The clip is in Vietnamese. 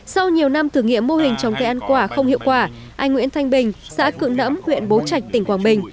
sau nhiều năm thử nghiệm mô hình trồng cây ăn quả không hiệu quả anh nguyễn thanh bình xã cự nẫm huyện bố trạch tỉnh quảng bình